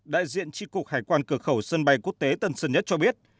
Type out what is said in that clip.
đại diện tri cục hải quan cửa khẩu sân bay quốc tế tân sơn nhất cho biết